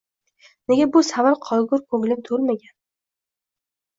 Nega bu savil qolgur ko’nglim to’lmagan.